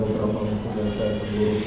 ada beberapa hal yang saya perlu sebut